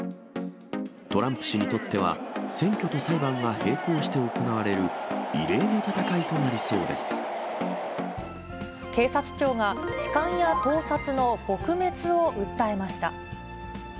トランプ氏にとっては選挙と裁判が並行して行われる異例の戦いと警察庁が、痴漢や盗撮の撲滅を訴えました。